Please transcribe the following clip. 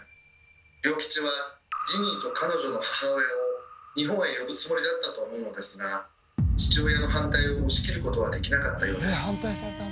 龍吉はジニーと彼女の母親を日本へ呼ぶつもりだったと思うのですが父親の反対を押し切ることはできなかったようです。